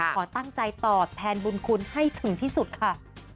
ขอตั้งใจตอบแทนบุญคุณให้ถึงที่สุดค่ะ